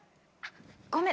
ごめん。